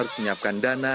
lumayan lah ya